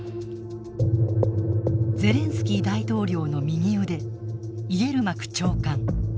ゼレンスキー大統領の右腕イエルマク長官。